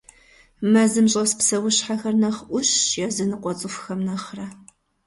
Мэзым щӀэс псэущхьэхэр нэхъ Ӏущщ языныкъуэ цӏыхухэм нэхърэ.